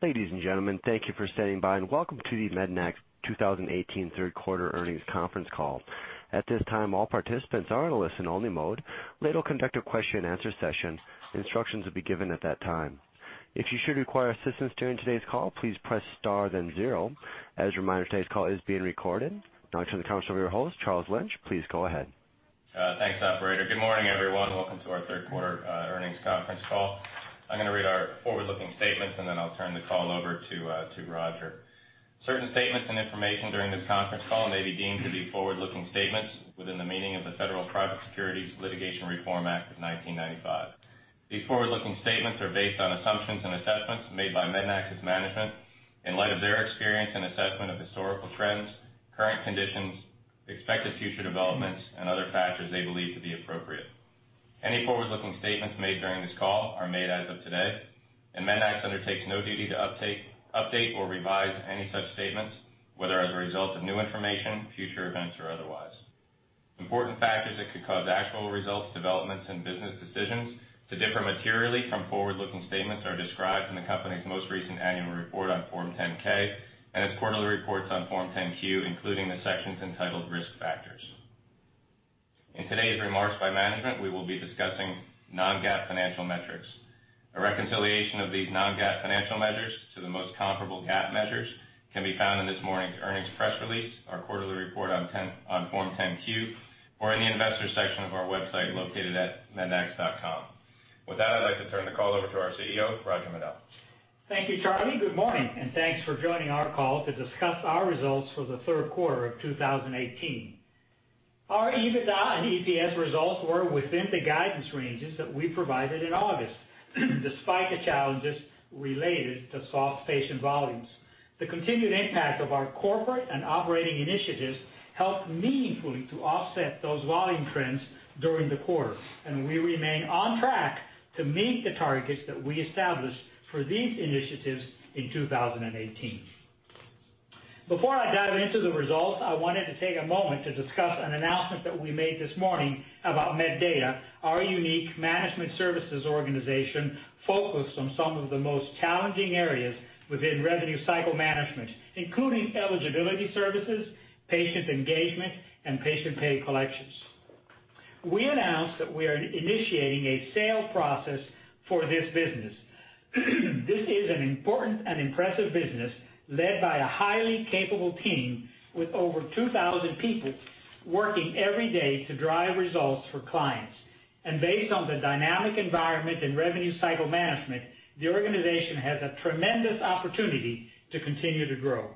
Ladies and gentlemen, thank you for standing by and welcome to the Mednax 2018 third quarter earnings conference call. At this time, all participants are in a listen only mode. Later we'll conduct a question and answer session. Instructions will be given at that time. If you should require assistance during today's call, please press star then zero. As a reminder, today's call is being recorded. Now I turn the conference over to your host, Charles Lynch. Please go ahead. Thanks, operator. Good morning, everyone. Welcome to our third quarter earnings conference call. I'm going to read our forward-looking statements, and then I'll turn the call over to Roger. Certain statements and information during this conference call may be deemed to be forward-looking statements within the meaning of the Federal Private Securities Litigation Reform Act of 1995. These forward-looking statements are based on assumptions and assessments made by Mednax's management in light of their experience and assessment of historical trends, current conditions, expected future developments, and other factors they believe to be appropriate. Any forward-looking statements made during this call are made as of today, and Mednax undertakes no duty to update or revise any such statements, whether as a result of new information, future events, or otherwise. Important factors that could cause actual results, developments, and business decisions to differ materially from forward-looking statements are described in the company's most recent annual report on Form 10-K and its quarterly reports on Form 10-Q, including the sections entitled Risk Factors. In today's remarks by management, we will be discussing non-GAAP financial metrics. A reconciliation of these non-GAAP financial measures to the most comparable GAAP measures can be found in this morning's earnings press release, our quarterly report on Form 10-Q, or in the investors section of our website located at mednax.com. With that, I'd like to turn the call over to our CEO, Roger Medel. Thank you, Charlie. Good morning and thanks for joining our call to discuss our results for the third quarter of 2018. Our EBITDA and EPS results were within the guidance ranges that we provided in August, despite the challenges related to soft patient volumes. The continued impact of our corporate and operating initiatives helped meaningfully to offset those volume trends during the quarter, and we remain on track to meet the targets that we established for these initiatives in 2018. Before I dive into the results, I wanted to take a moment to discuss an announcement that we made this morning about MedData, our unique management services organization focused on some of the most challenging areas within revenue cycle management, including eligibility services, patient engagement, and patient pay collections. We announced that we are initiating a sale process for this business. This is an important and impressive business led by a highly capable team with over 2,000 people working every day to drive results for clients. Based on the dynamic environment in revenue cycle management, the organization has a tremendous opportunity to continue to grow.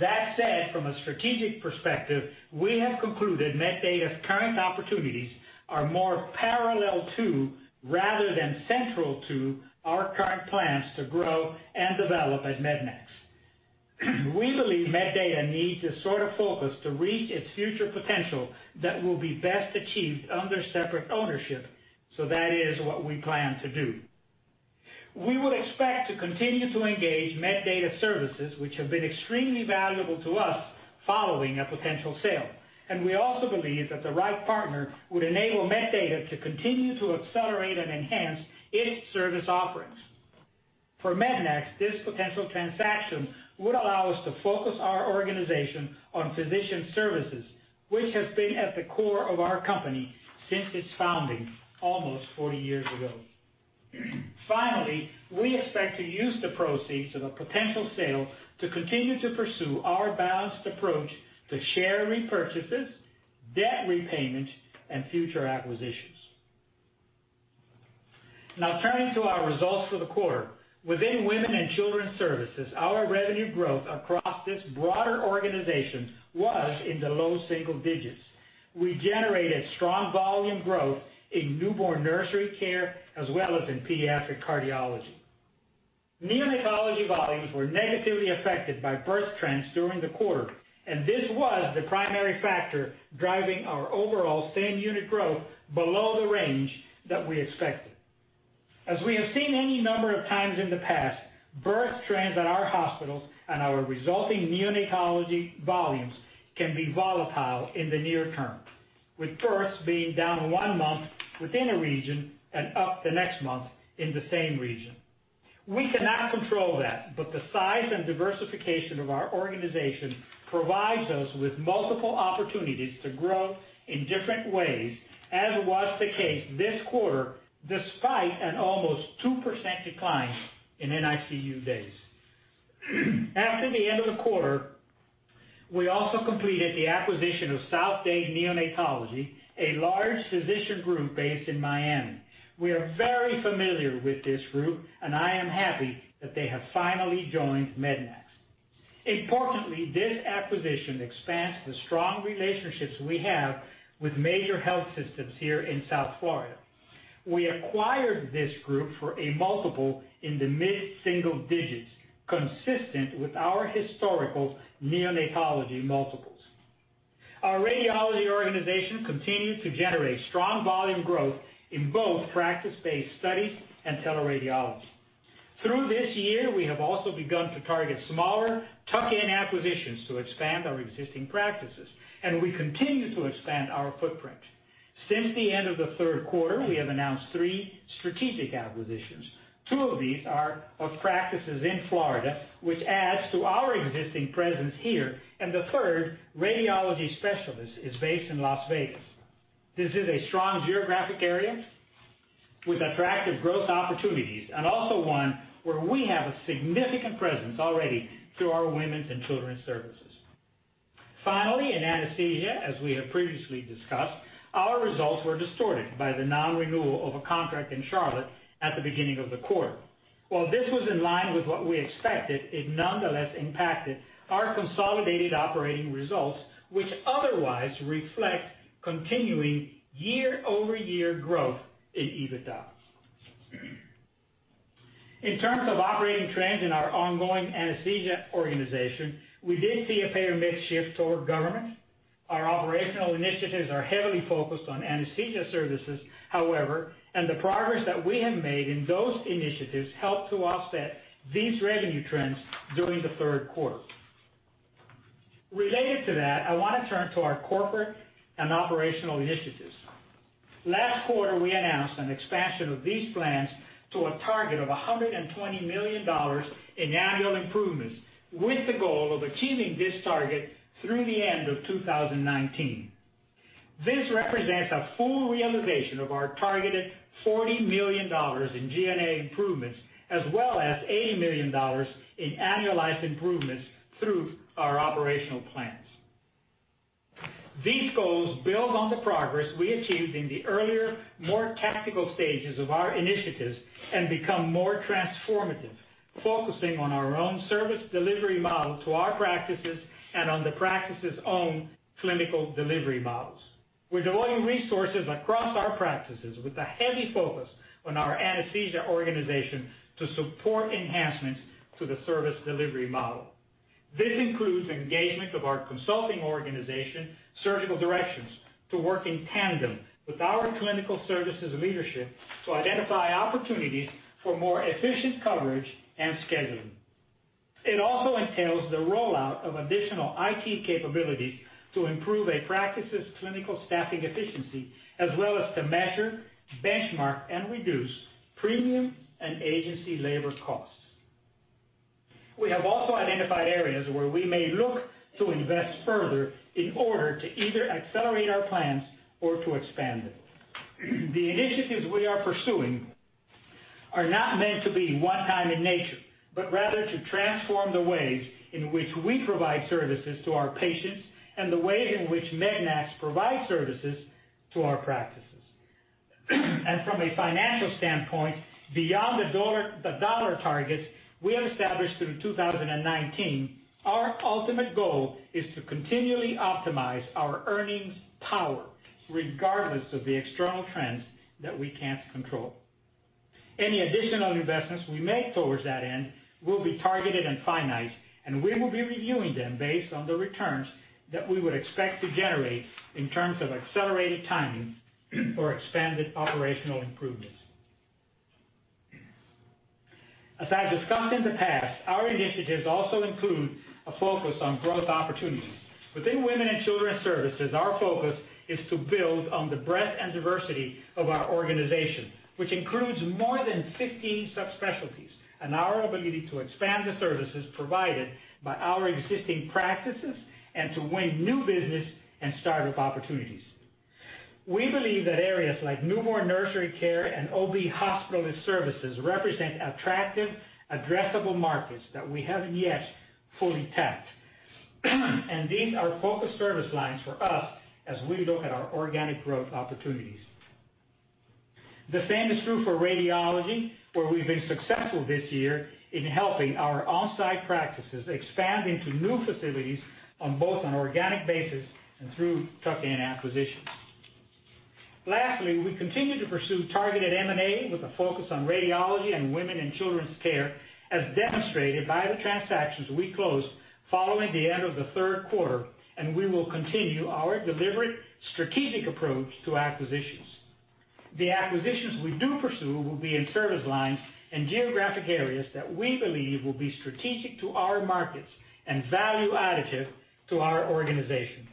That said, from a strategic perspective, we have concluded MedData's current opportunities are more parallel to, rather than central to, our current plans to grow and develop at Mednax. We believe MedData needs a sort of focus to reach its future potential that will be best achieved under separate ownership. That is what we plan to do. We would expect to continue to engage MedData Services, which have been extremely valuable to us, following a potential sale. We also believe that the right partner would enable MedData to continue to accelerate and enhance its service offerings. For Mednax, this potential transaction would allow us to focus our organization on physician services, which has been at the core of our company since its founding almost 40 years ago. Finally, we expect to use the proceeds of a potential sale to continue to pursue our balanced approach to share repurchases, debt repayment, and future acquisitions. Turning to our results for the quarter. Within Women and Children Services, our revenue growth across this broader organization was in the low single digits. We generated strong volume growth in newborn nursery care as well as in pediatric cardiology. Neonatology volumes were negatively affected by birth trends during the quarter. This was the primary factor driving our overall same unit growth below the range that we expected. As we have seen any number of times in the past, birth trends at our hospitals and our resulting neonatology volumes can be volatile in the near term, with births being down one month within a region and up the next month in the same region. We cannot control that. The size and diversification of our organization provides us with multiple opportunities to grow in different ways, as was the case this quarter, despite an almost 2% decline in NICU days. After the end of the quarter, we also completed the acquisition of South Dade Neonatology, a large physician group based in Miami. We are very familiar with this group. I am happy that they have finally joined Mednax. Importantly, this acquisition expands the strong relationships we have with major health systems here in South Florida. We acquired this group for a multiple in the mid-single digits, consistent with our historical neonatology multiples. Our radiology organization continued to generate strong volume growth in both practice-based studies and teleradiology. Through this year, we have also begun to target smaller tuck-in acquisitions to expand our existing practices. We continue to expand our footprint. Since the end of the third quarter, we have announced three strategic acquisitions. Two of these are of practices in Florida, which adds to our existing presence here. The third, Radiology Specialists, is based in Las Vegas. This is a strong geographic area with attractive growth opportunities. Also one where we have a significant presence already through our women's and children's services. Finally, in anesthesia, as we have previously discussed, our results were distorted by the non-renewal of a contract in Charlotte at the beginning of the quarter. While this was in line with what we expected, it nonetheless impacted our consolidated operating results, which otherwise reflect continuing year-over-year growth in EBITDA. In terms of operating trends in our ongoing anesthesia organization, we did see a payer mix shift toward government. Our operational initiatives are heavily focused on anesthesia services, however, and the progress that we have made in those initiatives helped to offset these revenue trends during the third quarter. Related to that, I want to turn to our corporate and operational initiatives. Last quarter, we announced an expansion of these plans to a target of $120 million in annual improvements, with the goal of achieving this target through the end of 2019. This represents a full realization of our targeted $40 million in G&A improvements, as well as $80 million in annualized improvements through our operational plans. These goals build on the progress we achieved in the earlier, more tactical stages of our initiatives and become more transformative, focusing on our own service delivery model to our practices and on the practices' own clinical delivery models. We're devoting resources across our practices with a heavy focus on our anesthesia organization to support enhancements to the service delivery model. This includes engagement of our consulting organization, Surgical Directions, to work in tandem with our clinical services leadership to identify opportunities for more efficient coverage and scheduling. It also entails the rollout of additional IT capabilities to improve a practice's clinical staffing efficiency, as well as to measure, benchmark, and reduce premium and agency labor costs. We have also identified areas where we may look to invest further in order to either accelerate our plans or to expand them. The initiatives we are pursuing are not meant to be one-time in nature, but rather to transform the ways in which we provide services to our patients and the ways in which Mednax provides services to our practices. From a financial standpoint, beyond the dollar targets we have established through 2019, our ultimate goal is to continually optimize our earnings power, regardless of the external trends that we can't control. Any additional investments we make towards that end will be targeted and finite, and we will be reviewing them based on the returns that we would expect to generate in terms of accelerated timing or expanded operational improvements. As I've discussed in the past, our initiatives also include a focus on growth opportunities. Within women and children's services, our focus is to build on the breadth and diversity of our organization, which includes more than 50 subspecialties, and our ability to expand the services provided by our existing practices and to win new business and start with opportunities. We believe that areas like newborn nursery care and OB hospitalist services represent attractive, addressable markets that we haven't yet fully tapped. These are focus service lines for us as we look at our organic growth opportunities. The same is true for radiology, where we've been successful this year in helping our on-site practices expand into new facilities on both an organic basis and through tuck-in acquisitions. Lastly, we continue to pursue targeted M&A with a focus on radiology and women and children's care, as demonstrated by the transactions we closed following the end of the third quarter. We will continue our deliberate, strategic approach to acquisitions. The acquisitions we do pursue will be in service lines and geographic areas that we believe will be strategic to our markets and value additive to our organization.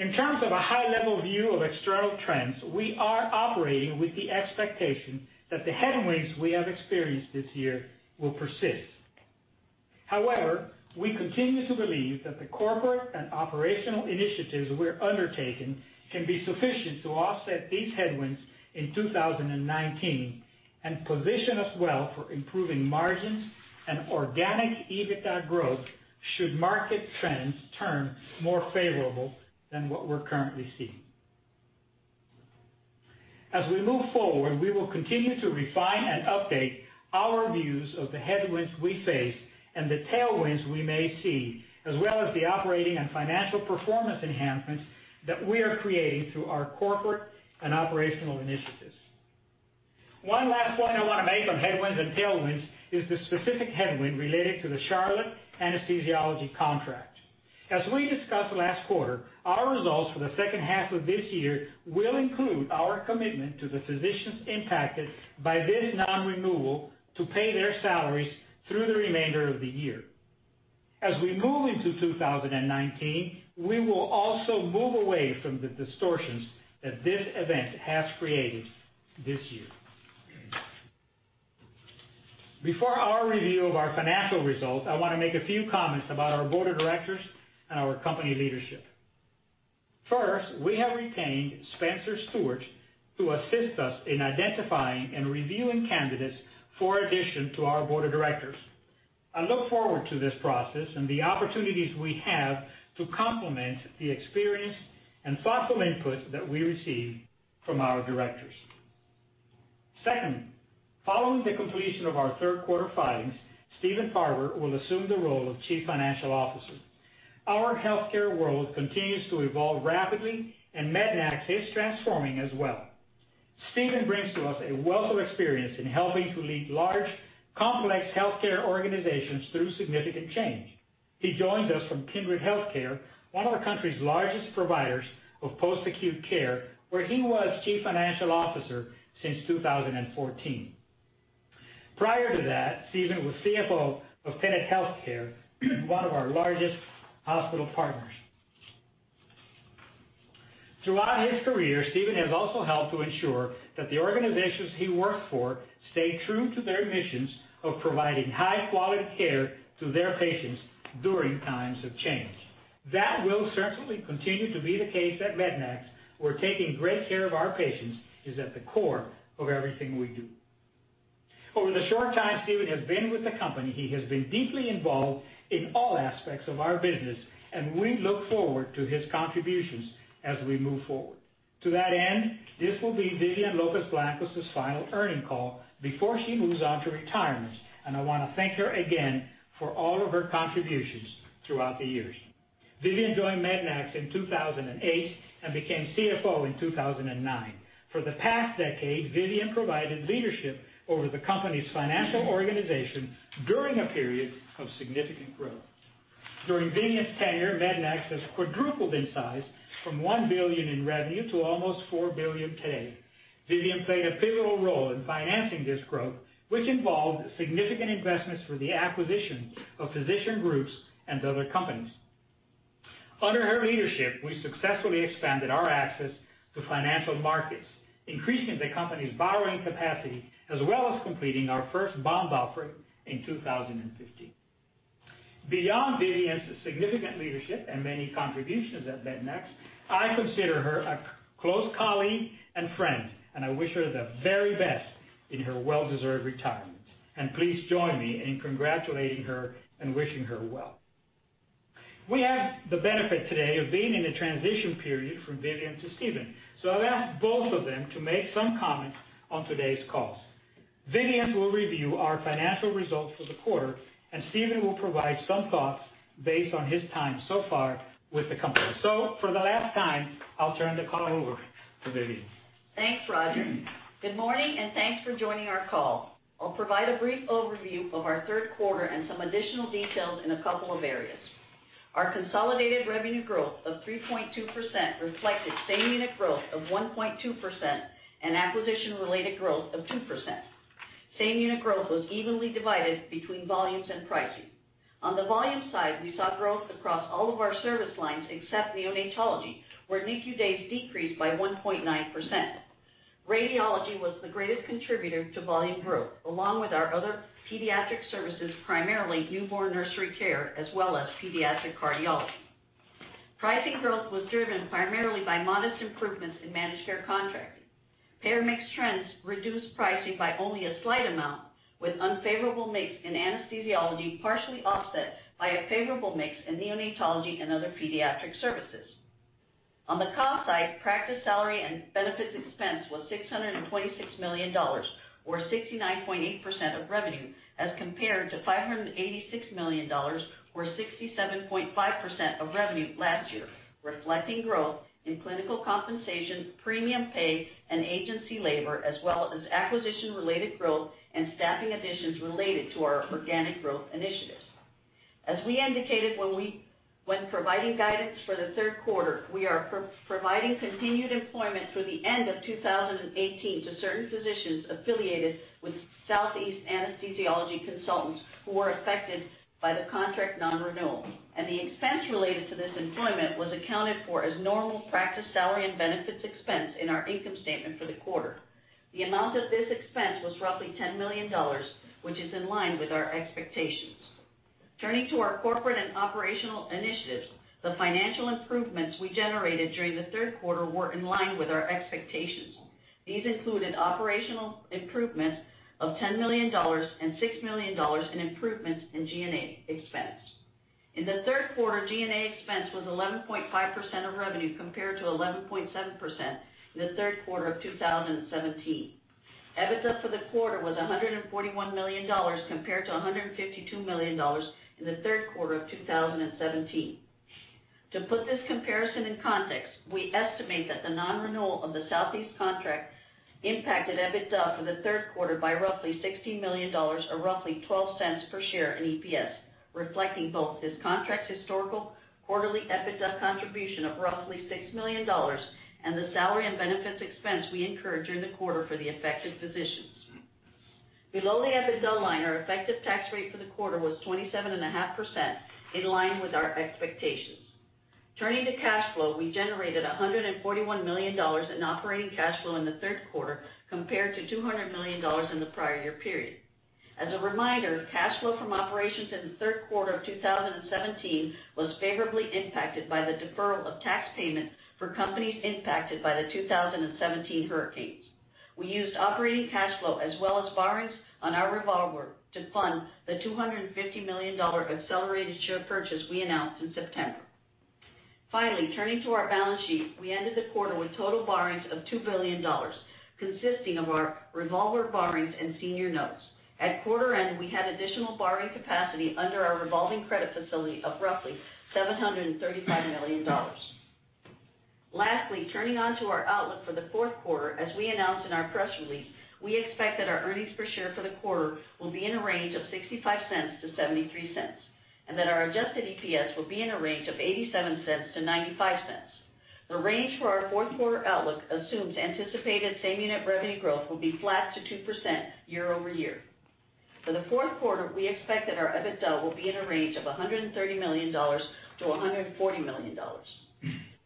In terms of a high-level view of external trends, we are operating with the expectation that the headwinds we have experienced this year will persist. However, we continue to believe that the corporate and operational initiatives we're undertaking can be sufficient to offset these headwinds in 2019 and position us well for improving margins and organic EBITDA growth should market trends turn more favorable than what we're currently seeing. As we move forward, we will continue to refine and update our views of the headwinds we face and the tailwinds we may see, as well as the operating and financial performance enhancements that we are creating through our corporate and operational initiatives. One last point I want to make on headwinds and tailwinds is the specific headwind related to the Charlotte anesthesiology contract. As we discussed last quarter, our results for the second half of this year will include our commitment to the physicians impacted by this non-renewal to pay their salaries through the remainder of the year. As we move into 2019, we will also move away from the distortions that this event has created this year. Before our review of our financial results, I want to make a few comments about our board of directors and our company leadership. First, we have retained Spencer Stuart to assist us in identifying and reviewing candidates for addition to our board of directors. I look forward to this process and the opportunities we have to complement the experience and thoughtful input that we receive from our directors. Second, following the completion of our third quarter filings, Stephen Farber will assume the role of chief financial officer. Our healthcare world continues to evolve rapidly, and Mednax is transforming as well. Stephen brings to us a wealth of experience in helping to lead large, complex healthcare organizations through significant change. He joins us from Kindred Healthcare, one of our country's largest providers of post-acute care, where he was chief financial officer since 2014. Prior to that, Stephen was CFO of Tenet Healthcare, one of our largest hospital partners. Throughout his career, Stephen has also helped to ensure that the organizations he worked for stay true to their missions of providing high-quality care to their patients during times of change. That will certainly continue to be the case at Mednax, where taking great care of our patients is at the core of everything we do. Over the short time Stephen has been with the company, he has been deeply involved in all aspects of our business. We look forward to his contributions as we move forward. To that end, this will be Vivian Lopez-Blanco's final earning call before she moves on to retirement. I want to thank her again for all of her contributions throughout the years. Vivian joined Mednax in 2008 and became CFO in 2009. For the past decade, Vivian provided leadership over the company's financial organization during a period of significant growth. During Vivian's tenure, Mednax has quadrupled in size from $1 billion in revenue to almost $4 billion today. Vivian played a pivotal role in financing this growth, which involved significant investments for the acquisition of physician groups and other companies. Under her leadership, we successfully expanded our access to financial markets, increasing the company's borrowing capacity, as well as completing our first bond offering in 2015. Beyond Vivian's significant leadership and many contributions at Mednax, I consider her a close colleague and friend. Please join me in congratulating her and wishing her well. We have the benefit today of being in a transition period from Vivian to Stephen. I've asked both of them to make some comments on today's call. Vivian will review our financial results for the quarter, and Stephen will provide some thoughts based on his time so far with the company. For the last time, I'll turn the call over to Vivian. Thanks, Roger. Good morning, and thanks for joining our call. I'll provide a brief overview of our third quarter and some additional details in a couple of areas. Our consolidated revenue growth of 3.2% reflected same unit growth of 1.2% and acquisition-related growth of 2%. Same unit growth was evenly divided between volumes and pricing. On the volume side, we saw growth across all of our service lines except neonatology, where NICU days decreased by 1.9%. Radiology was the greatest contributor to volume growth, along with our other pediatric services, primarily newborn nursery care as well as pediatric cardiology. Pricing growth was driven primarily by modest improvements in managed care contracting. Payor mix trends reduced pricing by only a slight amount, with unfavorable mix in anesthesiology partially offset by a favorable mix in neonatology and other pediatric services. On the cost side, practice salary and benefits expense was $626 million, or 69.8% of revenue, as compared to $586 million, or 67.5% of revenue last year, reflecting growth in clinical compensation, premium pay, and agency labor, as well as acquisition-related growth and staffing additions related to our organic growth initiatives. As we indicated when providing guidance for the third quarter, we are providing continued employment through the end of 2018 to certain physicians affiliated with Southeast Anesthesiology Consultants who were affected by the contract non-renewal. The expense related to this employment was accounted for as normal practice salary and benefits expense in our income statement for the quarter. The amount of this expense was roughly $10 million, which is in line with our expectations. Turning to our corporate and operational initiatives, the financial improvements we generated during the third quarter were in line with our expectations. These included operational improvements of $10 million and $6 million in improvements in G&A expense. In the third quarter, G&A expense was 11.5% of revenue, compared to 11.7% in the third quarter of 2017. EBITDA for the quarter was $141 million, compared to $152 million in the third quarter of 2017. To put this comparison in context, we estimate that the non-renewal of the Southeast contract impacted EBITDA for the third quarter by roughly $16 million, or roughly $0.12 per share in EPS, reflecting both this contract's historical quarterly EBITDA contribution of roughly $6 million and the salary and benefits expense we incurred during the quarter for the affected physicians. Below the EBITDA line, our effective tax rate for the quarter was 27.5%, in line with our expectations. Turning to cash flow, we generated $141 million in operating cash flow in the third quarter, compared to $200 million in the prior year period. As a reminder, cash flow from operations in the third quarter of 2017 was favorably impacted by the deferral of tax payments for companies impacted by the 2017 hurricanes. We used operating cash flow as well as borrowings on our revolver to fund the $250 million Accelerated Share Repurchase we announced in September. Finally, turning to our balance sheet, we ended the quarter with total borrowings of $2 billion, consisting of our revolver borrowings and senior notes. At quarter end, we had additional borrowing capacity under our revolving credit facility of roughly $735 million. Lastly, turning on to our outlook for the fourth quarter, as we announced in our press release, we expect that our earnings per share for the quarter will be in a range of $0.65-$0.73, and that our adjusted EPS will be in a range of $0.87-$0.95. The range for our fourth quarter outlook assumes anticipated same unit revenue growth will be flat to 2% year-over-year. For the fourth quarter, we expect that our EBITDA will be in a range of $130 million-$140 million.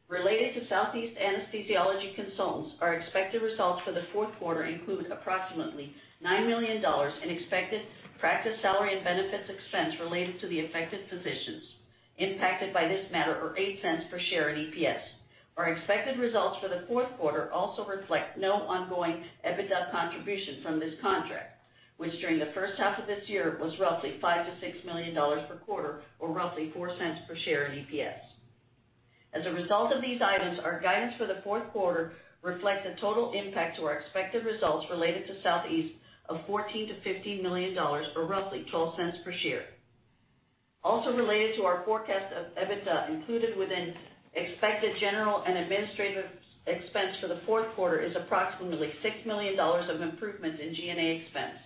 Related to Southeast Anesthesiology Consultants, our expected results for the fourth quarter include approximately $9 million in expected practice salary and benefits expense related to the affected physicians impacted by this matter, or $0.08 per share in EPS. Our expected results for the fourth quarter also reflect no ongoing EBITDA contribution from this contract, which during the first half of this year was roughly $5 million-$6 million per quarter or roughly $0.04 per share in EPS. As a result of these items, our guidance for the fourth quarter reflects a total impact to our expected results related to Southeast of $14 million-$15 million, or roughly $0.12 per share. Also related to our forecast of EBITDA included within expected general and administrative expense for the fourth quarter is approximately $6 million of improvements in G&A expense.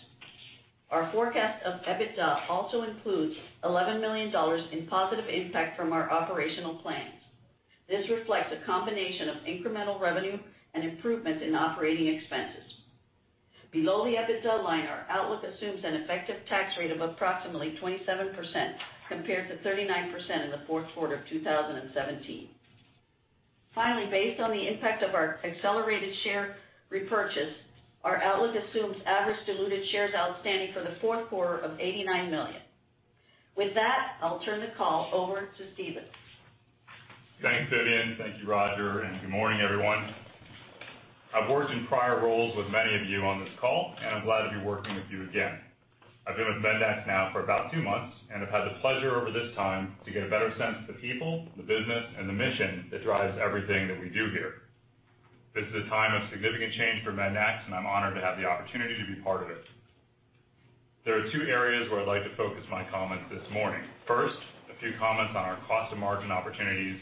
Our forecast of EBITDA also includes $11 million in positive impact from our operational plans. This reflects a combination of incremental revenue and improvements in operating expenses. Below the EBITDA line, our outlook assumes an effective tax rate of approximately 27%, compared to 39% in the fourth quarter of 2017. Finally, based on the impact of our Accelerated Share Repurchase, our outlook assumes average diluted shares outstanding for the fourth quarter of 89 million. With that, I'll turn the call over to Stephen. Thanks, Vivian. Thank you, Roger, good morning, everyone. I've worked in prior roles with many of you on this call, and I'm glad to be working with you again. I've been with Pediatrix Medical Group now for about two months, and I've had the pleasure over this time to get a better sense of the people, the business, and the mission that drives everything that we do here. This is a time of significant change for Pediatrix Medical Group, and I'm honored to have the opportunity to be part of it. There are two areas where I'd like to focus my comments this morning. First, a few comments on our cost and margin opportunities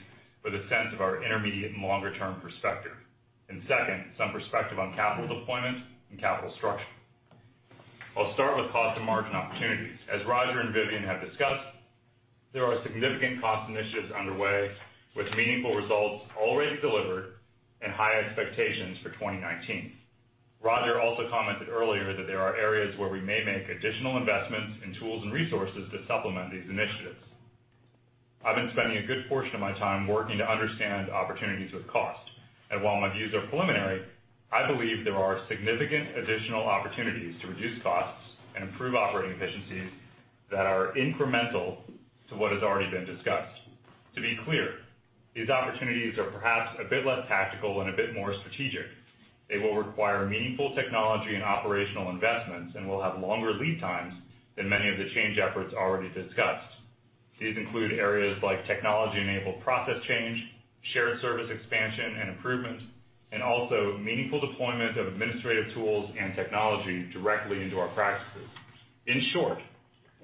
with a sense of our intermediate and longer-term perspective, and second, some perspective on capital deployment and capital structure. I'll start with cost and margin opportunities. As Roger and Vivian have discussed, there are significant cost initiatives underway with meaningful results already delivered and high expectations for 2019. Roger also commented earlier that there are areas where we may make additional investments in tools and resources to supplement these initiatives. I've been spending a good portion of my time working to understand opportunities with cost. While my views are preliminary, I believe there are significant additional opportunities to reduce costs and improve operating efficiencies that are incremental to what has already been discussed. To be clear, these opportunities are perhaps a bit less tactical and a bit more strategic. They will require meaningful technology and operational investments and will have longer lead times than many of the change efforts already discussed. These include areas like technology-enabled process change, shared service expansion and improvements, and also meaningful deployment of administrative tools and technology directly into our practices. In short,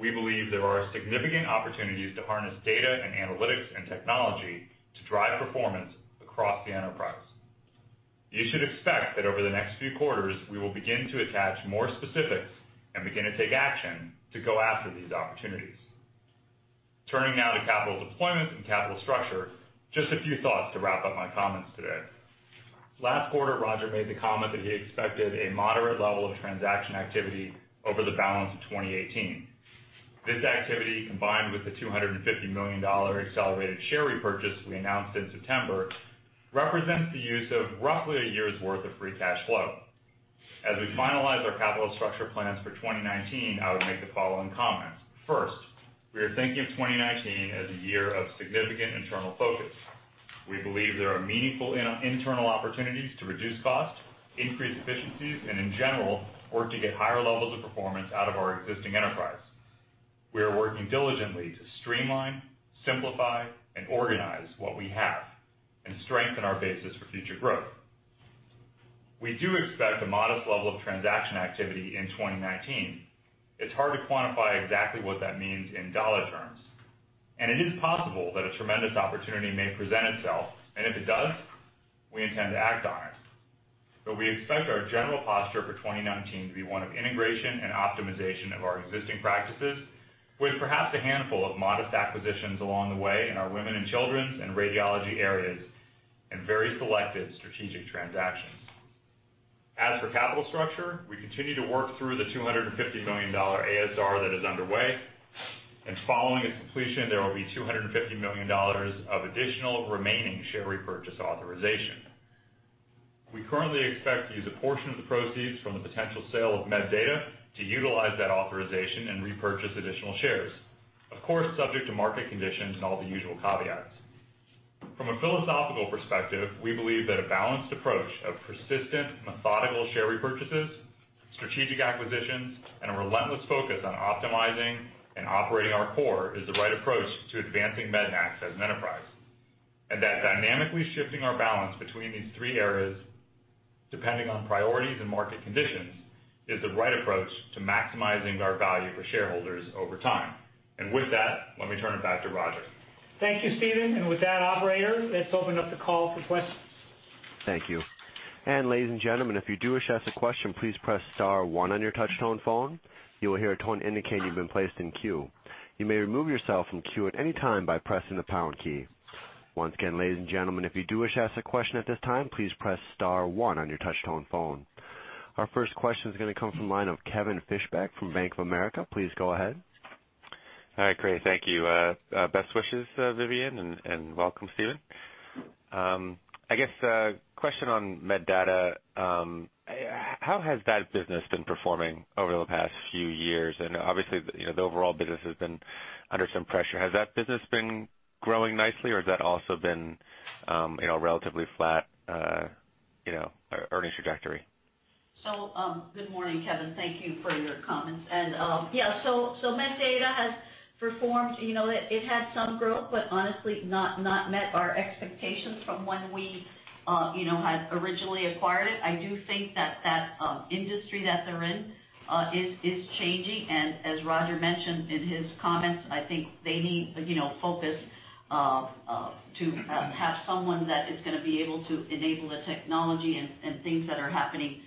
we believe there are significant opportunities to harness data and analytics and technology to drive performance across the enterprise. You should expect that over the next few quarters, we will begin to attach more specifics and begin to take action to go after these opportunities. Turning now to capital deployment and capital structure, just a few thoughts to wrap up my comments today. Last quarter, Roger made the comment that he expected a moderate level of transaction activity over the balance of 2018. This activity, combined with the $250 million Accelerated Share Repurchase we announced in September, represents the use of roughly a year's worth of free cash flow. As we finalize our capital structure plans for 2019, I would make the following comments. First, we are thinking of 2019 as a year of significant internal focus. We believe there are meaningful internal opportunities to reduce cost, increase efficiencies, and in general, work to get higher levels of performance out of our existing enterprise. We are working diligently to streamline, simplify, and organize what we have and strengthen our basis for future growth. We do expect a modest level of transaction activity in 2019. It's hard to quantify exactly what that means in dollar terms, and it is possible that a tremendous opportunity may present itself, and if it does, we intend to act on it. We expect our general posture for 2019 to be one of integration and optimization of our existing practices with perhaps a handful of modest acquisitions along the way in our women and children's and radiology areas and very selective strategic transactions. As for capital structure, we continue to work through the $250 million ASR that is underway. Following its completion, there will be $250 million of additional remaining share repurchase authorization. We currently expect to use a portion of the proceeds from the potential sale of MedData to utilize that authorization and repurchase additional shares. Of course, subject to market conditions and all the usual caveats. From a philosophical perspective, we believe that a balanced approach of persistent methodical share repurchases, strategic acquisitions, and a relentless focus on optimizing and operating our core is the right approach to advancing MEDNAX as an enterprise. That dynamically shifting our balance between these three areas, depending on priorities and market conditions, is the right approach to maximizing our value for shareholders over time. With that, let me turn it back to Roger. Thank you, Stephen. With that operator, let's open up the call for questions. Thank you. Ladies and gentlemen, if you do wish to ask a question, please press *1 on your touch-tone phone. You will hear a tone indicating you've been placed in queue. You may remove yourself from queue at any time by pressing the # key. Once again, ladies and gentlemen, if you do wish to ask a question at this time, please press *1 on your touch-tone phone. Our first question is going to come from the line of Kevin Fischbeck from Bank of America. Please go ahead. All right, great, thank you. Best wishes, Vivian, and welcome, Stephen. I guess a question on MedData. How has that business been performing over the past few years? Obviously, the overall business has been under some pressure. Has that business been growing nicely or has that also been relatively flat earning trajectory? Good morning, Kevin. Thank you for your comments. MedData has performed-- It had some growth, but honestly not met our expectations from when we had originally acquired it. I do think that that industry that they're in is changing. As Roger mentioned in his comments, I think they need focus to have someone that is going to be able to enable the technology and things that are happening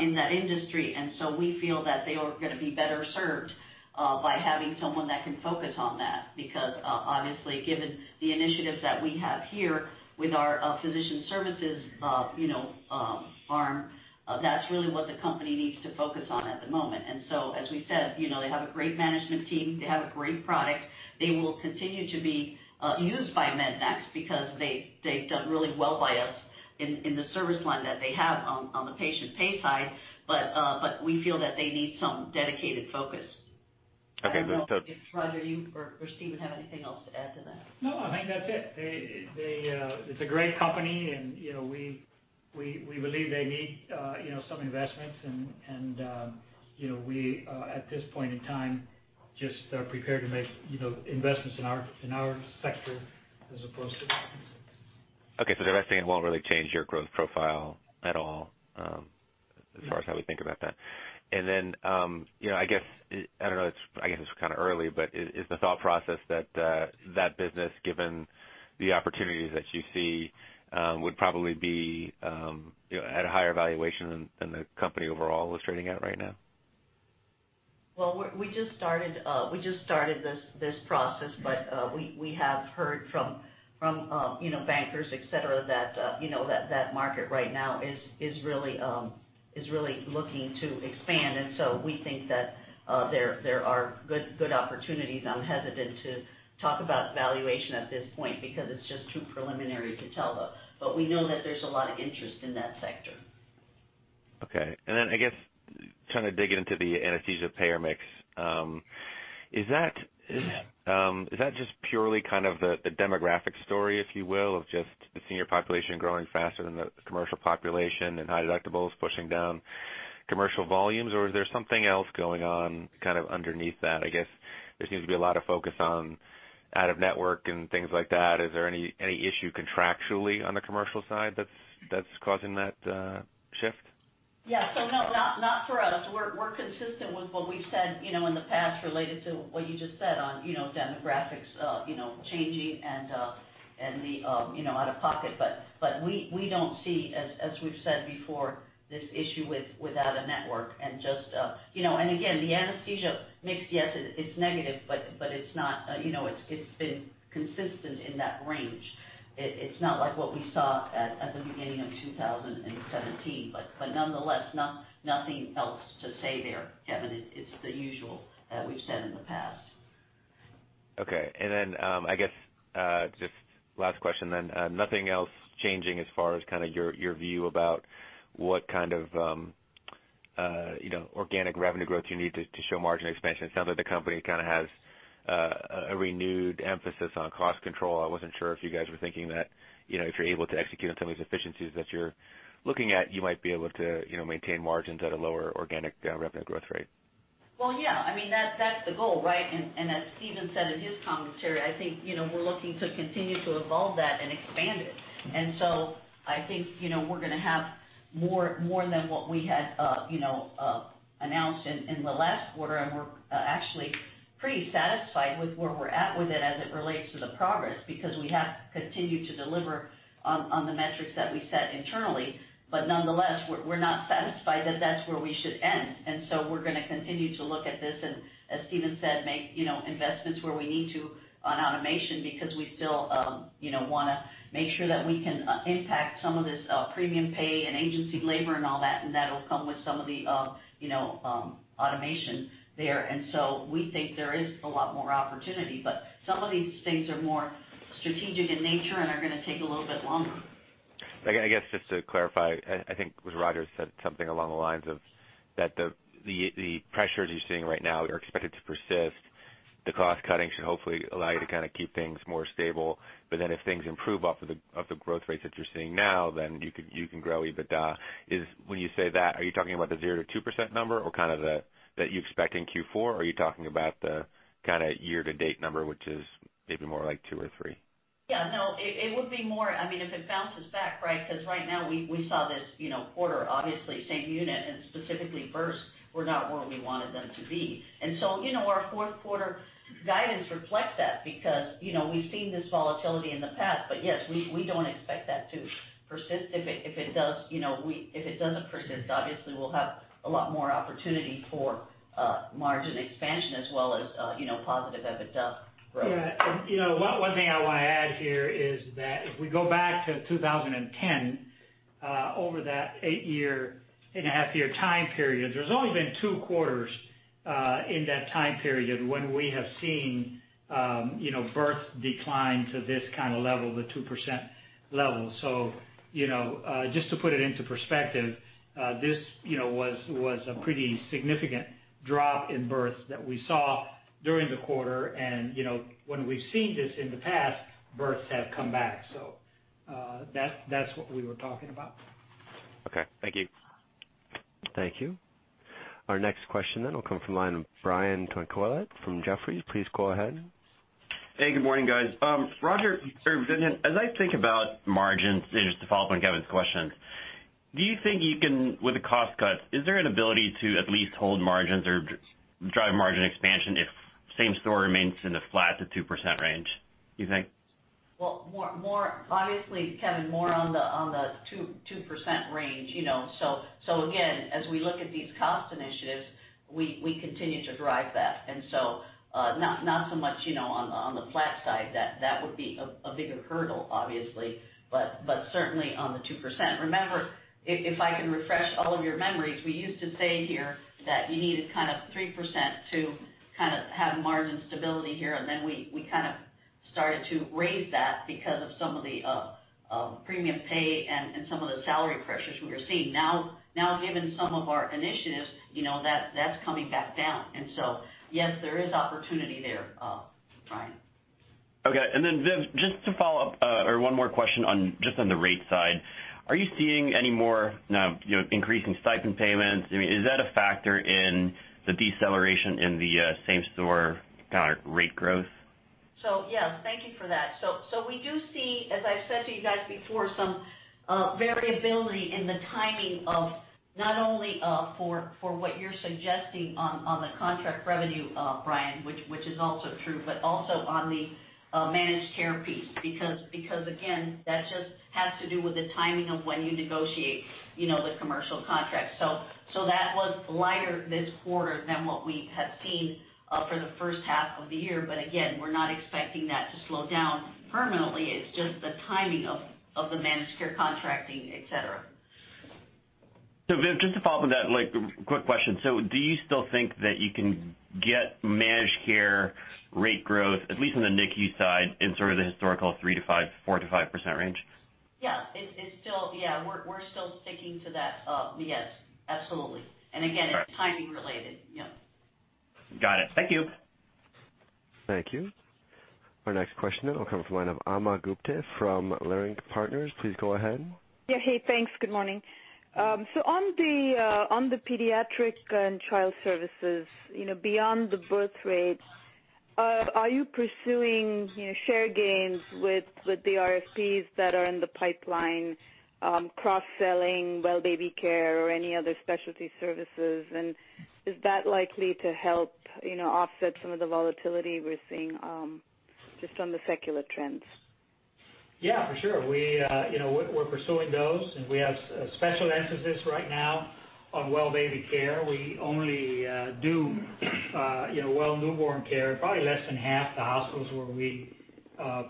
in that industry. We feel that they are going to be better served by having someone that can focus on that. Because, obviously, given the initiatives that we have here with our physician services arm, that's really what the company needs to focus on at the moment. As we said, they have a great management team, they have a great product. They will continue to be used by MEDNAX because they've done really well by us in the service line that they have on the patient pay side. We feel that they need some dedicated focus. Okay. I don't know if Roger you or Stephen have anything else to add to that. No, I think that's it. It's a great company. We believe they need some investments. We, at this point in time, just are prepared to make investments in our sector as opposed to. Okay. They're investing in what really changed your growth profile at all as far as how we think about that? Then, I guess, I don't know, I guess it's early, is the thought process that business, given the opportunities that you see, would probably be at a higher valuation than the company overall is trading at right now? Well, we just started this process. We have heard from bankers, et cetera, that market right now is really looking to expand. We think that there are good opportunities. I'm hesitant to talk about valuation at this point because it's just too preliminary to tell. We know that there's a lot of interest in that sector. Okay. Then, I guess, trying to dig into the anesthesia payer mix. Is that just purely the demographic story, if you will, of just the senior population growing faster than the commercial population and high deductibles pushing down commercial volumes? Is there something else going on underneath that? I guess there seems to be a lot of focus on out-of-network and things like that. Is there any issue contractually on the commercial side that's causing that shift? Yeah. No, not for us. We're consistent with what we've said in the past related to what you just said on demographics changing and the out-of-pocket. We don't see, as we've said before, this issue with out-of-network. And again, the anesthesia mix, yes, it's negative, but it's been consistent in that range. It's not like what we saw at the beginning of 2017. Nonetheless, nothing else to say there, Kevin. It's the usual that we've said in the past. Okay. Then I guess, just last question then. Nothing else changing as far as your view about what kind of organic revenue growth you need to show margin expansion? It sounds like the company has a renewed emphasis on cost control. I wasn't sure if you guys were thinking that, if you're able to execute on some of these efficiencies that you're looking at, you might be able to maintain margins at a lower organic revenue growth rate. Well, yeah. That's the goal. As Stephen said in his commentary, I think we're looking to continue to evolve that and expand it. So I think we're going to have more than what we had announced in the last quarter, and we're actually pretty satisfied with where we're at with it as it relates to the progress, because we have continued to deliver on the metrics that we set internally. Nonetheless, we're not satisfied that that's where we should end. So we're going to continue to look at this, and, as Stephen said, make investments where we need to on automation, because we still want to make sure that we can impact some of this premium pay and agency labor and all that, and that'll come with some of the automation there. We think there is a lot more opportunity, but some of these things are more strategic in nature and are going to take a little bit longer. I guess, just to clarify, I think it was Roger said something along the lines of that the pressures you're seeing right now are expected to persist. The cost cutting should hopefully allow you to kind of keep things more stable. If things improve off of the growth rates that you're seeing now, then you can grow EBITDA. When you say that, are you talking about the 0%-2% number or kind of that you expect in Q4? Or are you talking about the kind of year-to-date number, which is maybe more like two or three? Yeah, no, it would be more, if it bounces back, right? Because right now we saw this quarter, obviously same unit and specifically births were not where we wanted them to be. Our fourth quarter guidance reflects that because we've seen this volatility in the past. Yes, we don't expect that to persist. If it doesn't persist, obviously we'll have a lot more opportunity for margin expansion as well as positive EBITDA growth. Yeah. One thing I want to add here is that if we go back to 2010, over that eight-and-a-half year time period, there's only been two quarters in that time period when we have seen births decline to this kind of level, the 2% level. Just to put it into perspective, this was a pretty significant drop in births that we saw during the quarter. When we've seen this in the past, births have come back. That's what we were talking about. Okay. Thank you. Thank you. Our next question will come from the line of Brian Tanquilut from Jefferies. Please go ahead. Hey, good morning, guys. Roger, as I think about margins, just to follow up on Kevin's question, do you think you can, with the cost cuts, is there an ability to at least hold margins or drive margin expansion if same store remains in the flat to 2% range, do you think? Well, obviously, Kevin, more on the 2% range. Again, as we look at these cost initiatives, we continue to drive that. Not so much on the flat side, that would be a bigger hurdle, obviously, but certainly on the 2%. Remember, if I can refresh all of your memories, we used to say here that you needed kind of 3% to have margin stability here, then we kind of started to raise that because of some of the premium pay and some of the salary pressures we were seeing. Now, given some of our initiatives, that's coming back down. Yes, there is opportunity there, Brian. Viv, just to follow up or one more question just on the rate side. Are you seeing any more increasing stipend payments? Is that a factor in the deceleration in the same store kind of rate growth? Yes, thank you for that. We do see, as I've said to you guys before, some variability in the timing of not only for what you're suggesting on the contract revenue, Brian, which is also true, but also on the managed care piece. Again, that just has to do with the timing of when you negotiate the commercial contract. That was lighter this quarter than what we have seen for the first half of the year, but again, we're not expecting that to slow down permanently. It's just the timing of the managed care contracting, et cetera. Viv, just to follow up on that, quick question. Do you still think that you can get managed care rate growth, at least on the NICU side, in sort of the historical 3%-5%, 4%-5% range? Yeah. We're still sticking to that. Yes, absolutely. Again, it's timing related. Yep. Got it. Thank you. Thank you. Our next question will come from the line of Ana Gupte from Leerink Partners. Please go ahead. Yeah, hey, thanks. Good morning. On the pediatric and child services, beyond the birth rate, are you pursuing share gains with the RFPs that are in the pipeline, cross-selling well-baby care or any other specialty services? Is that likely to help offset some of the volatility we're seeing just on the secular trends? Yeah, for sure. We're pursuing those, and we have a special emphasis right now on well-baby care. We only do well newborn care at probably less than half the hospitals where we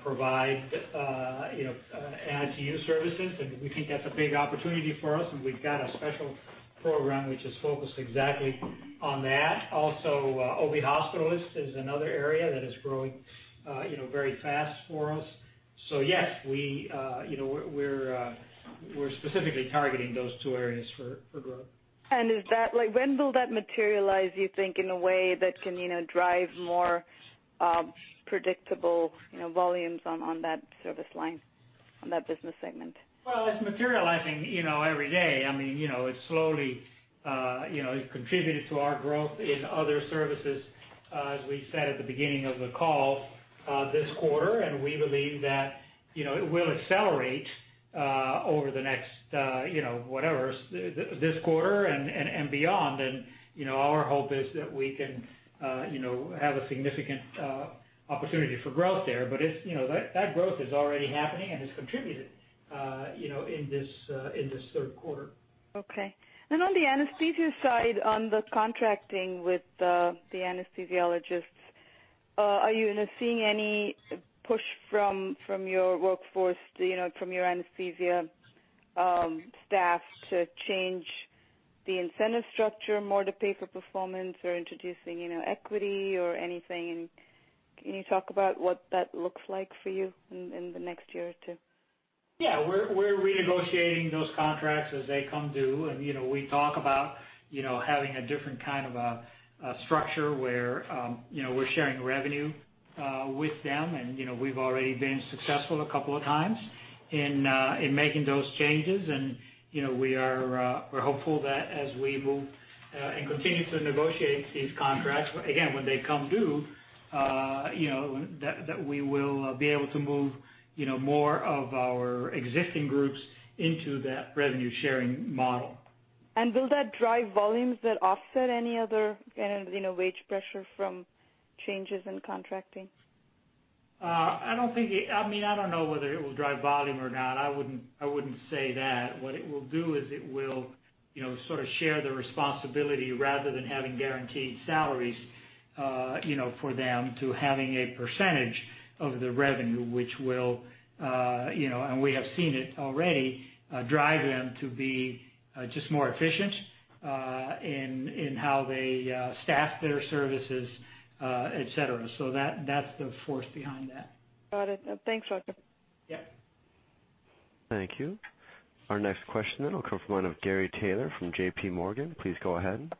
provide NICU services, and we think that's a big opportunity for us, and we've got a special program which is focused exactly on that. Also, OB hospitalist is another area that is growing very fast for us. Yes, we're specifically targeting those two areas for growth. When will that materialize, you think, in a way that can drive more predictable volumes on that service line? On that business segment. Well, it's materializing every day. It's slowly contributed to our growth in other services, as we said at the beginning of the call this quarter, we believe that it will accelerate over this quarter and beyond. Our hope is that we can have a significant opportunity for growth there. That growth is already happening and has contributed in this third quarter. Okay. On the anesthesia side, on the contracting with the anesthesiologists, are you seeing any push from your workforce, from your anesthesia staff to change the incentive structure more to pay for performance or introducing equity or anything? Can you talk about what that looks like for you in the next one or two? Yeah. We're renegotiating those contracts as they come due, we talk about having a different kind of a structure where we're sharing revenue with them, we've already been successful a couple of times in making those changes. We're hopeful that as we move and continue to negotiate these contracts, again, when they come due, that we will be able to move more of our existing groups into that revenue sharing model. Will that drive volumes that offset any other wage pressure from changes in contracting? I don't know whether it will drive volume or not. I wouldn't say that. What it will do is it will sort of share the responsibility rather than having guaranteed salaries for them to having a percentage of the revenue, and we have seen it already drive them to be just more efficient in how they staff their services et cetera. That's the force behind that. Got it. Thanks, Roger. Yeah. Thank you. Our next question will come from the line of Gary Taylor from JP Morgan. Please go ahead.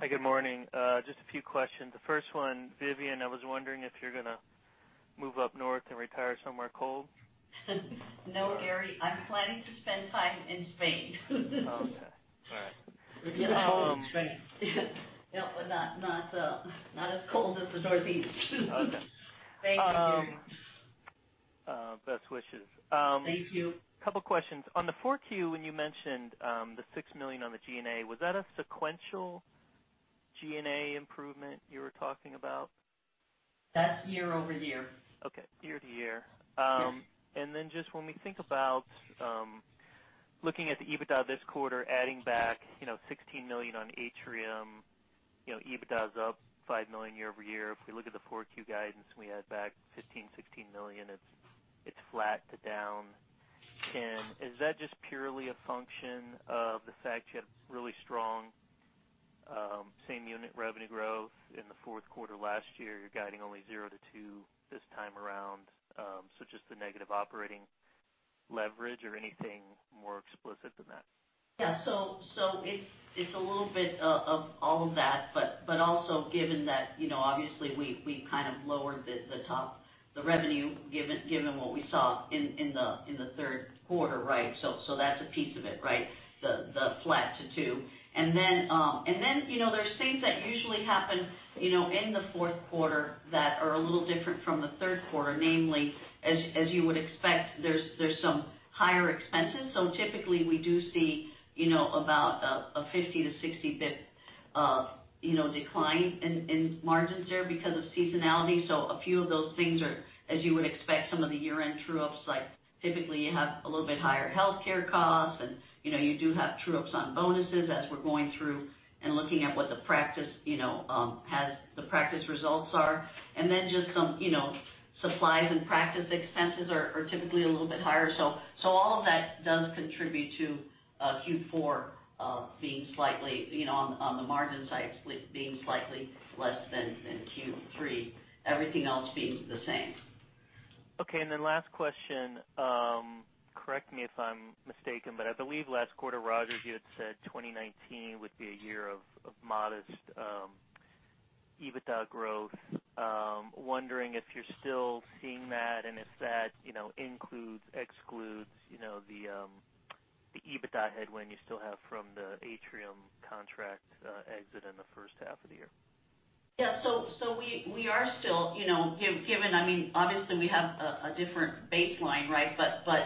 Hi. Good morning. Just a few questions. The first one, Vivian, I was wondering if you're going to move up north and retire somewhere cold. No, Gary. I'm planning to spend time in Spain. Okay. All right. Cold Spain. Yep. Not as cold as the Northeast. Okay. Thank you, Gary. Best wishes. Thank you. Couple questions. On the Q4, when you mentioned the $6 million on the G&A, was that a sequential G&A improvement you were talking about? That's year-over-year. Okay. Year-to-year. Yes. Just when we think about looking at the EBITDA this quarter, adding back $16 million on Atrium, EBITDA's up $5 million year-over-year. If we look at the Q4 guidance and we add back $15 million-$16 million, it's flat to down. Is that just purely a function of the fact you have really strong same unit revenue growth in the fourth quarter last year? You're guiding only 0-2% this time around. Just the negative operating leverage or anything more explicit than that? Yeah. It's a little bit of all of that, but also given that obviously we kind of lowered the revenue given what we saw in the third quarter, right? That's a piece of it, right? The flat to 2. There's things that usually happen in the fourth quarter that are a little different from the third quarter, namely, as you would expect, there's some higher expenses. Typically we do see about a 50-60 basis point decline in margins there because of seasonality. A few of those things are, as you would expect, some of the year-end true-ups, like typically you have a little bit higher healthcare costs and you do have true-ups on bonuses as we're going through and looking at what the practice results are. Just some supplies and practice expenses are typically a little bit higher. All of that does contribute to Q4 being slightly, on the margin side, being slightly less than in Q3. Everything else being the same. Okay. Last question. Correct me if I'm mistaken, but I believe last quarter, Roger, you had said 2019 would be a year of modest EBITDA growth. I'm wondering if you're still seeing that and if that includes, excludes the EBITDA headwind you still have from the Atrium contract exit in the first half of the year. Yeah. We are still, given, obviously we have a different baseline, right?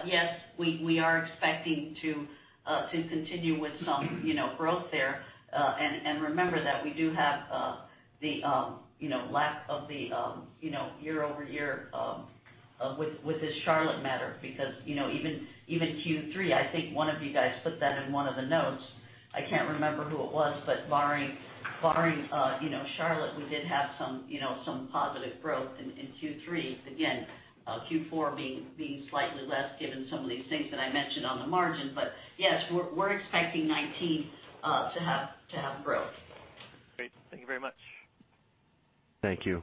Yes, we are expecting to continue with some growth there. Remember that we do have the lack of the year-over-year with this Charlotte matter, because even Q3, I think one of you guys put that in one of the notes. I can't remember who it was, but barring Charlotte, we did have some positive growth in Q3. Again, Q4 being slightly less given some of these things that I mentioned on the margin. Yes, we're expecting 2019 to have growth. Great. Thank you very much. Thank you.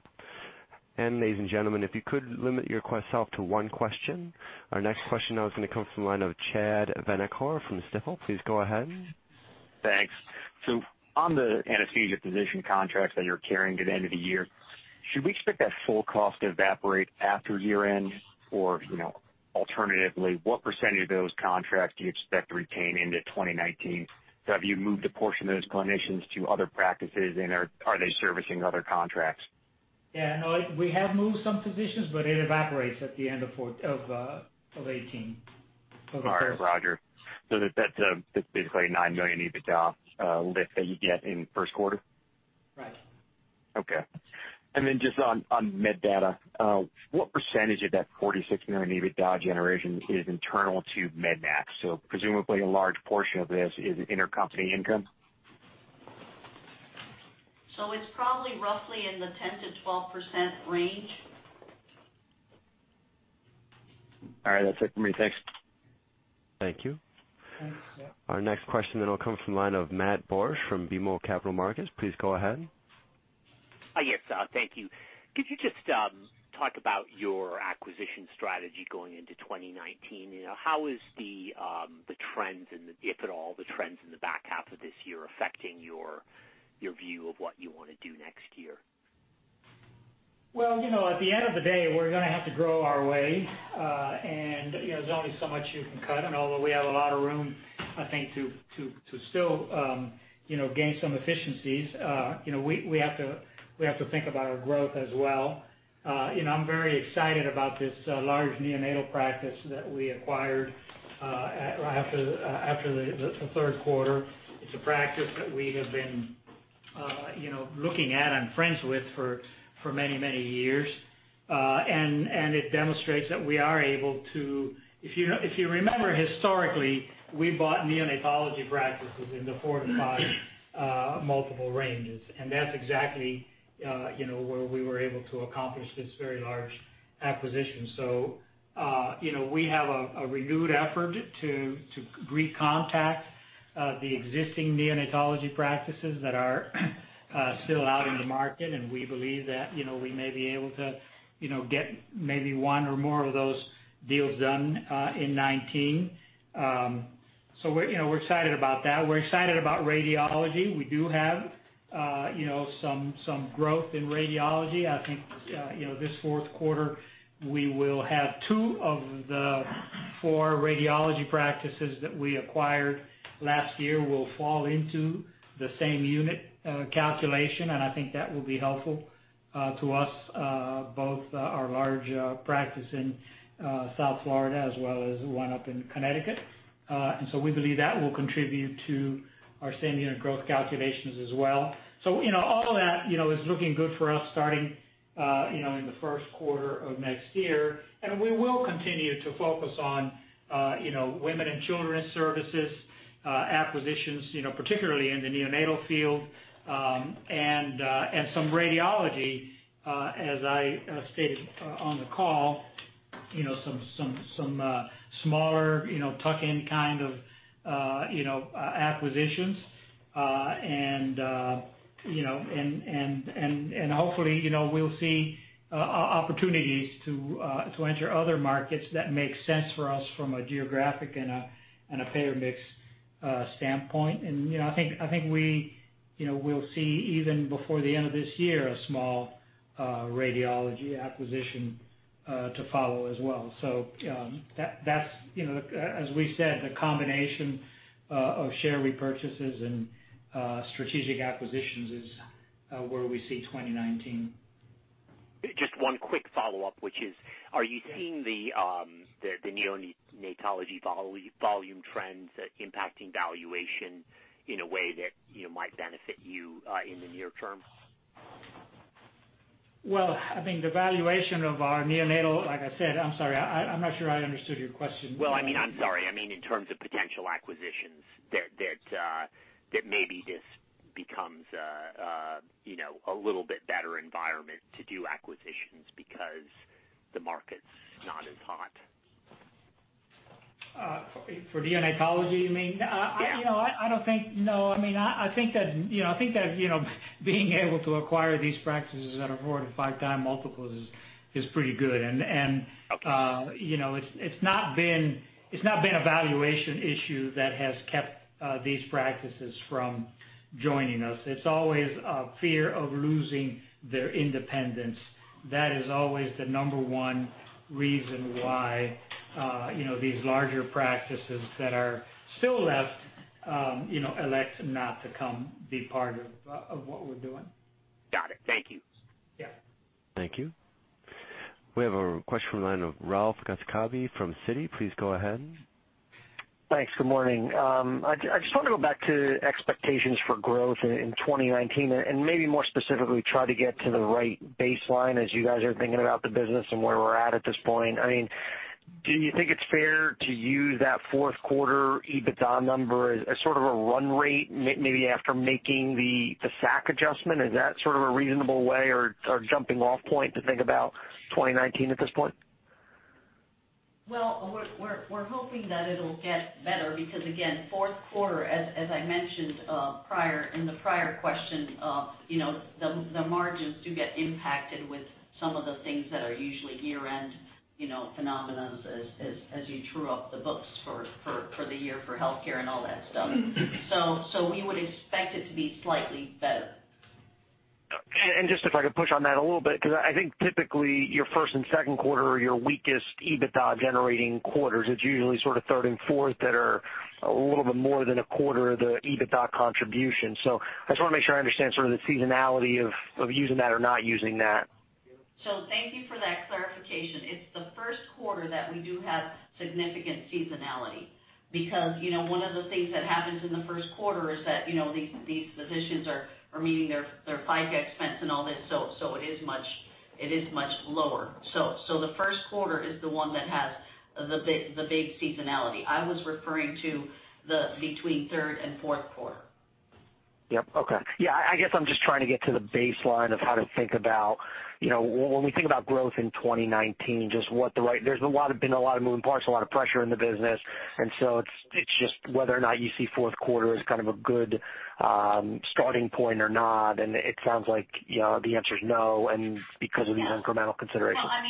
Ladies and gentlemen, if you could limit yourself to one question. Our next question now is going to come from the line of Chad Vanacore from Stifel. Please go ahead. Thanks. On the anesthesia physician contracts that you're carrying to the end of the year, should we expect that full cost to evaporate after year-end? Or alternatively, what percentage of those contracts do you expect to retain into 2019? Have you moved a portion of those clinicians to other practices, and are they servicing other contracts? Yeah, no, we have moved some physicians, it evaporates at the end of 2018. All right, Roger. That's basically a $9 million EBITDA lift that you get in the first quarter? Right. Okay. Just on MedData, what percentage of that $46 million EBITDA generation is internal to Mednax? Presumably a large portion of this is intercompany income. It's probably roughly in the 10%-12% range. All right. That's it for me. Thanks. Thank you. Thanks. Yeah. Our next question then will come from the line of Matt Borsch from BMO Capital Markets. Please go ahead. Yes. Thank you. Could you just talk about your acquisition strategy going into 2019? How is the trends and if at all, the trends in the back half of this year affecting your view of what you want to do next year? Well, at the end of the day, we're going to have to grow our way. There's only so much you can cut. Although we have a lot of room, I think, to still gain some efficiencies, we have to think about our growth as well. I'm very excited about this large neonatal practice that we acquired after the third quarter. It's a practice that we have been looking at and friends with for many, many years. It demonstrates that we are able to. If you remember historically, we bought neonatology practices in the 4 to 5 multiple ranges, and that's exactly where we were able to accomplish this very large acquisition. We have a renewed effort to recontact the existing neonatology practices that are still out in the market, and we believe that we may be able to get maybe one or more of those deals done in 2019. We're excited about that. We're excited about radiology. We do have some growth in radiology. I think this fourth quarter, we will have two of the four radiology practices that we acquired last year will fall into the same unit calculation, and I think that will be helpful to us, both our large practice in South Florida as well as one up in Connecticut. We believe that will contribute to our same-unit growth calculations as well. All of that is looking good for us starting in the first quarter of next year. We will continue to focus on women and children's services, acquisitions, particularly in the neonatal field, and some radiology, as I stated on the call, some smaller tuck-in kind of acquisitions. Hopefully we'll see opportunities to enter other markets that make sense for us from a geographic and a payer mix standpoint. I think we'll see, even before the end of this year, a small radiology acquisition to follow as well. That's, as we said, the combination of share repurchases and strategic acquisitions is where we see 2019. Just one quick follow-up, which is, are you seeing the neonatology volume trends impacting valuation in a way that might benefit you in the near term? Well, I think the valuation of our neonatal, like I said, I'm sorry, I'm not sure I understood your question. Well, I'm sorry. I mean, in terms of potential acquisitions that maybe this becomes a little bit better environment to do acquisitions because the market's not as hot. For neonatology, you mean? Yeah. I don't think, no. I think that being able to acquire these practices that are four to five-time multiples is pretty good. Okay. It's not been a valuation issue that has kept these practices from joining us. It's always a fear of losing their independence. That is always the number one reason why these larger practices that are still left elect not to come be part of what we're doing. Got it. Thank you. Yeah. Thank you. We have a question on the line of Ralph Giacobbe from Citi. Please go ahead. Thanks. Good morning. I just want to go back to expectations for growth in 2019 and maybe more specifically, try to get to the right baseline as you guys are thinking about the business and where we're at at this point. Do you think it's fair to use that fourth quarter EBITDA number as sort of a run rate, maybe after making the SAC adjustment? Is that sort of a reasonable way or jumping-off point to think about 2019 at this point? Well, we're hoping that it'll get better because, again, fourth quarter, as I mentioned in the prior question, the margins do get impacted with some of the things that are usually year-end phenomenons as you true up the books for the year for healthcare and all that stuff. We would expect it to be slightly better. Just if I could push on that a little bit, because I think typically your first and second quarter are your weakest EBITDA generating quarters. It's usually third and fourth that are a little bit more than a quarter of the EBITDA contribution. I just want to make sure I understand the seasonality of using that or not using that. Thank you for that clarification. It's the first quarter that we do have significant seasonality, because one of the things that happens in the first quarter is that these physicians are meeting their FICA expense and all this, so it is much lower. The first quarter is the one that has the big seasonality. I was referring to between third and fourth quarter. Yep. Okay. Yeah, I guess I'm just trying to get to the baseline of how to think about, when we think about growth in 2019, there's been a lot of moving parts, a lot of pressure in the business, and so it's just whether or not you see fourth quarter as kind of a good starting point or not, and it sounds like the answer is no, and because of these incremental considerations. Well,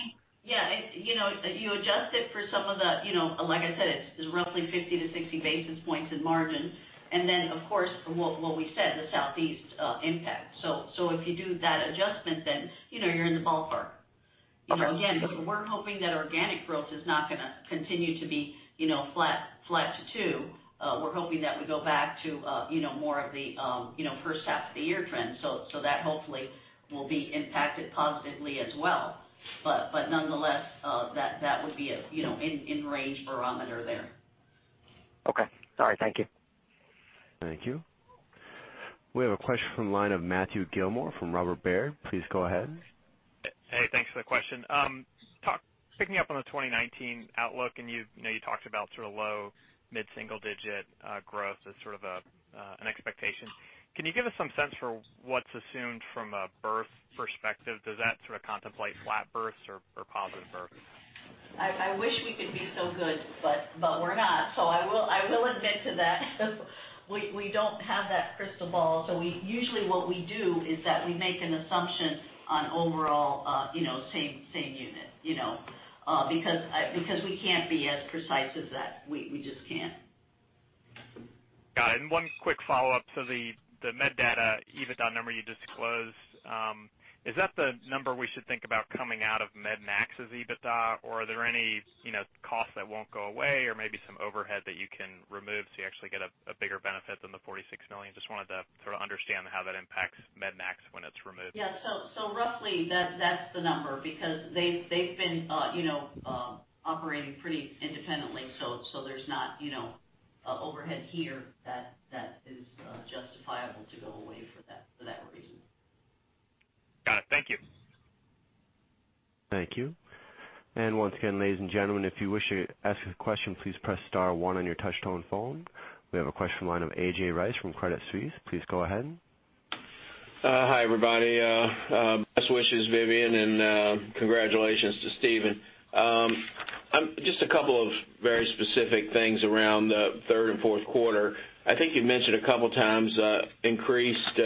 yeah. You adjust it for some of the, like I said, it's roughly 50 to 60 basis points in margin. Then, of course, what we said, the Southeast impact. If you do that adjustment, then you're in the ballpark. Okay. Again, we're hoping that organic growth is not going to continue to be flat to two. We're hoping that we go back to more of the first half of the year trend. That hopefully will be impacted positively as well. Nonetheless, that would be an in range barometer there. Okay. All right. Thank you. Thank you. We have a question from the line of Matthew Gilmore from Robert Baird. Please go ahead. Hey, thanks for the question. Picking up on the 2019 outlook, you talked about low mid-single digit growth as sort of an expectation. Can you give us some sense for what's assumed from a birth perspective? Does that sort of contemplate flat births or positive births? I wish we could be so good, but we're not. I will admit to that we don't have that crystal ball, usually what we do is that we make an assumption on overall same unit. We can't be as precise as that. We just can't. Got it. One quick follow-up to the MedData EBITDA number you disclosed. Is that the number we should think about coming out of Mednax's EBITDA, or are there any costs that won't go away or maybe some overhead that you can remove so you actually get a bigger benefit than the $46 million? Just wanted to sort of understand how that impacts Mednax when it's removed. Yeah. Roughly, that's the number, because they've been operating pretty independently, so there's not overhead here that is justifiable to go away for that reason. Got it. Thank you. Thank you. Once again, ladies and gentlemen, if you wish to ask a question, please press star one on your touch-tone phone. We have a question on line of A.J. Rice from Credit Suisse. Please go ahead. Hi, everybody. Best wishes, Vivian, and congratulations to Stephen. Just a couple of very specific things around the third and fourth quarter. I think you've mentioned a couple times increased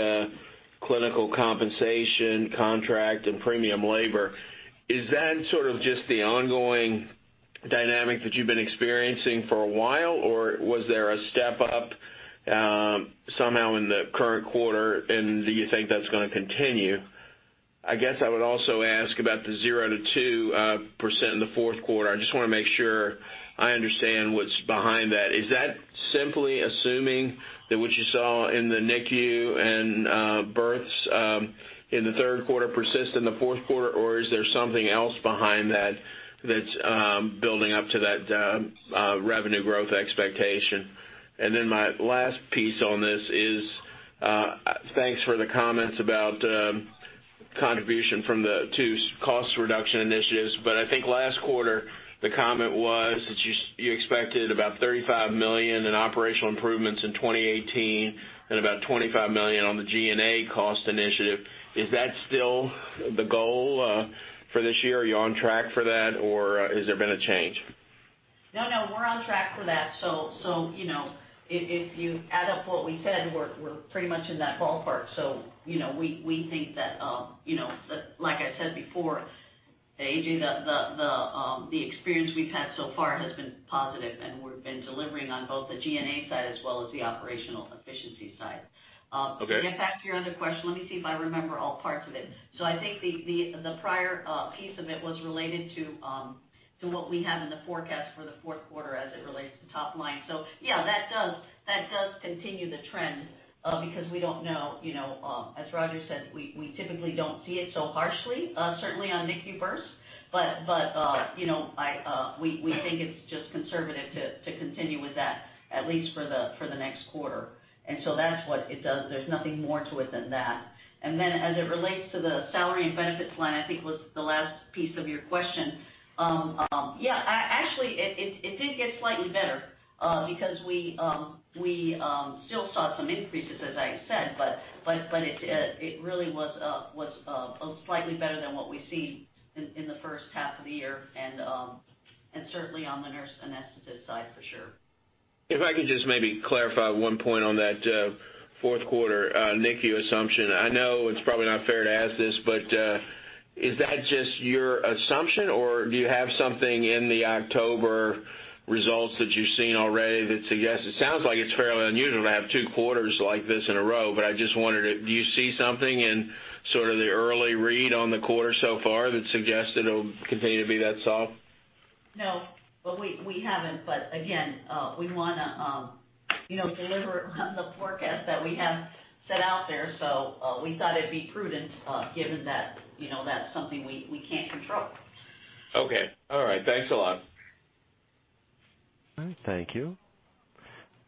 clinical compensation contract and premium labor. Is that sort of just the ongoing dynamic that you've been experiencing for a while, or was there a step up somehow in the current quarter, and do you think that's going to continue? I guess I would also ask about the 0% to 2% in the fourth quarter. I just want to make sure I understand what's behind that. Is that simply assuming that what you saw in the NICU and births in the third quarter persist in the fourth quarter, or is there something else behind that that's building up to that revenue growth expectation? My last piece on this is, thanks for the comments about contribution from the two cost reduction initiatives, but I think last quarter the comment was that you expected about $35 million in operational improvements in 2018 and about $25 million on the G&A cost initiative. Is that still the goal for this year? Are you on track for that, or has there been a change? No, we're on track for that. If you add up what we said, we're pretty much in that ballpark. We think that, like I said before, A.J., the experience we've had so far has been positive, and we've been delivering on both the G&A side as well as the operational efficiency side. Okay. To get back to your other question, let me see if I remember all parts of it. I think the prior piece of it was related to what we have in the forecast for the fourth quarter as it relates to top line. Yeah, that does continue the trend, because we don't know, as Roger said, we typically don't see it so harshly, certainly on NICU births, but we think it's just conservative to continue with that, at least for the next quarter. That's what it does. There's nothing more to it than that. As it relates to the salary and benefits line, I think was the last piece of your question. Yeah, actually, it did get slightly better, because we still saw some increases, as I said, but it really was slightly better than what we see in the first half of the year, and certainly on the nurse anesthetist side for sure. If I could just maybe clarify one point on that fourth quarter NICU assumption. I know it's probably not fair to ask this, but is that just your assumption, or do you have something in the October results that you've seen already that suggests it sounds like it's fairly unusual to have two quarters like this in a row, but I just wondered, do you see something in sort of the early read on the quarter so far that suggests it'll continue to be that soft? No. We haven't. Again, we want to deliver on the forecast that we have set out there. We thought it'd be prudent given that's something we can't control. Okay. All right. Thanks a lot. All right. Thank you.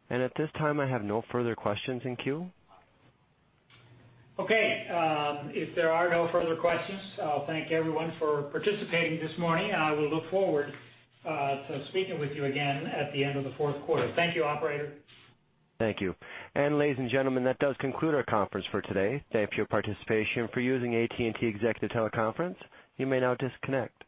At this time, I have no further questions in queue. Okay. If there are no further questions, I'll thank everyone for participating this morning, and I will look forward to speaking with you again at the end of the fourth quarter. Thank you, operator. Thank you. Ladies and gentlemen, that does conclude our conference for today. Thank you for your participation and for using AT&T Executive Teleconference. You may now disconnect.